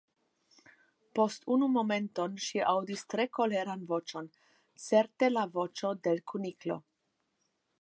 Post unu momenton ŝi aŭdis tre koleran voĉon, certe la voĉon de l Kuniklo.